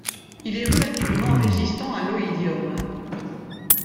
Il est relativement résistant à l'oïdium.